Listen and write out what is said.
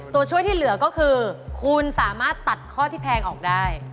ตัวช่วยที่เหลือก็คือคุณสามารถตัดข้อที่แพงออกได้